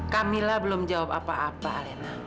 camilla belum jawab apa apa alena